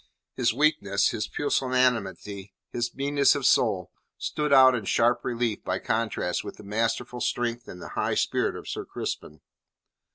His weakness, his pusillanimity, his meannesses of soul, stood out in sharp relief by contrast with the masterful strength and the high spirit of Sir Crispin.